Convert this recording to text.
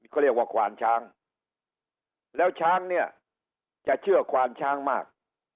เขาเรียกว่าควานช้างแล้วช้างเนี่ยจะเชื่อควานช้างมาก